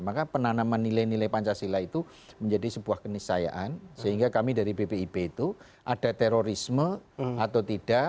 maka penanaman nilai nilai pancasila itu menjadi sebuah kenisayaan sehingga kami dari bpib itu ada terorisme atau tidak